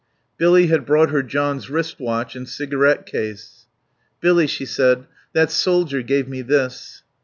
Billy had brought her John's wrist watch and cigarette case. "Billy," she said, "that soldier gave me this."